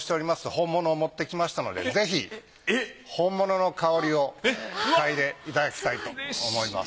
本物を持って来ましたのでぜひ本物の香りを嗅いでいただきたいと思います。